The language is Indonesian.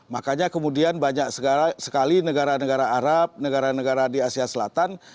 makanya kemudian banyak sekali negara negara arab negara negara di asia selatan